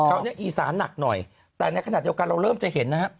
นี้อีสานหนักหน่อยแต่ในขณะเดียวกันเราเริ่มจะเห็นนะฮะ